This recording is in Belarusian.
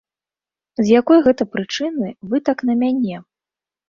З якой гэта прычыны вы так на мяне?